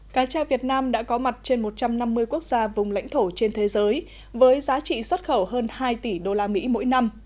cá tra việt nam đã có mặt trên một trăm năm mươi quốc gia vùng lãnh thổ trên thế giới với giá trị xuất khẩu hơn hai tỷ usd mỗi năm